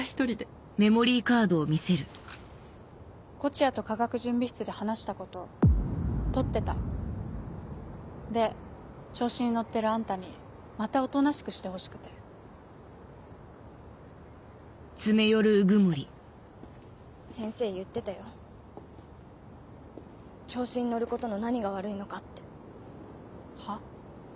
東風谷と化学準備室で話したこと撮ってたで調子に乗ってるあんたにまたおとな先生言ってたよ「調子に乗ることの何が悪いのか」っはっ？